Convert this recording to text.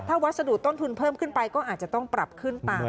ถ้าวัสดุต้นทุนเพิ่มขึ้นไปก็อาจจะต้องปรับขึ้นตาม